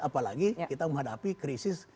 apalagi kita menghadapi krisis